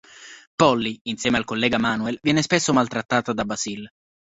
Polly, insieme al collega Manuel, viene spesso maltrattata da Basil.